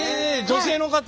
女性の方。